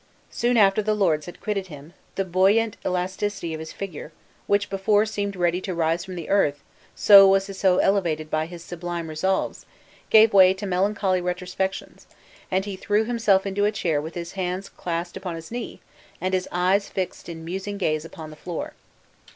Soon after the lords had quitted him, the buoyant elasticity of his figure, which before seemed ready to rise from the earth, so was his soul elevated by his sublime resolves, gave way to melancholy retrospections, and he threw himself into a chair with his hands clasped upon his knee and his eyes fixed in musing gaze upon the floor.